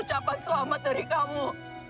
ucapan selamat dari kamu